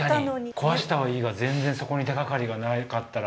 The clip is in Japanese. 壊したはいいが全然そこに手がかりがなかったら。